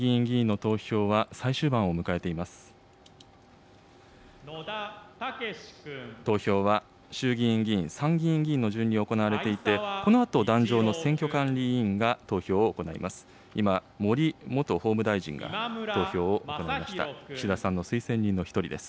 投票は衆議院議員、参議院議員の順に行われていて、このあと壇上の選挙管理委員が投票を行います。